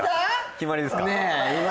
決まりですかね